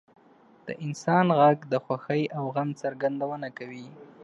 • د انسان ږغ د خوښۍ او غم څرګندونه کوي.